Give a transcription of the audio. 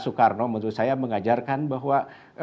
soekarno menurut saya mengajarkan bahwa